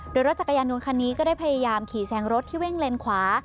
โดยรถจักรยานยนต์คันนี้ก็ได้พยายามขี่แซงรถที่วิ่งเลนขวา